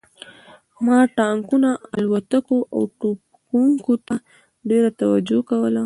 ما ټانکونو الوتکو او ټوپکونو ته ډېره توجه کوله